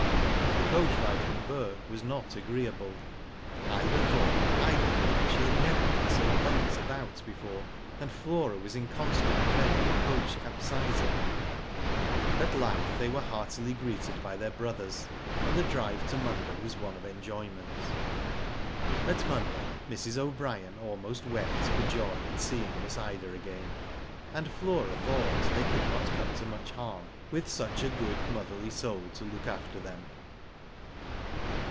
The coach ride from Bourke was not agreeable. Ida thought she had never been so bumped about before, and Flora was in constant dread of the coach capsizing. At Louth they were heartily greeted by their brothers, and the drive to Munda was one of enjoyment. At Munda Mrs. O'Brien almost wept for joy at seeing Miss Ida again^ and Flora thought they could not come to much harm with such a good motherly soul to look after them.